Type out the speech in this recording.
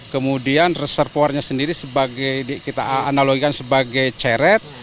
kemudian reservoirnya sendiri sebagai kita analogikan sebagai ceret